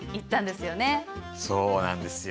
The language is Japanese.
そうなんですよ。